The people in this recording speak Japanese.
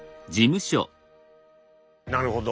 なるほど。